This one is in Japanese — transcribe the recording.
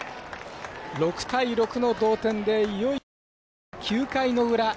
６対６の同点でいよいよ試合は９回の裏。